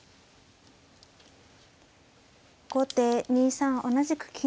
後手２三同じく金。